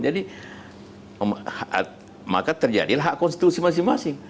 jadi maka terjadilah hak konstitusi masing masing